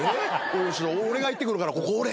「俺が行ってくるからここおれ」